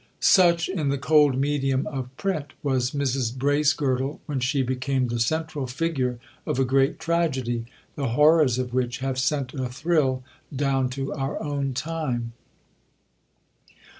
Such, in the cold medium of print, was Mrs Bracegirdle when she became the central figure of a great tragedy, the horrors of which have sent a thrill down to our own time.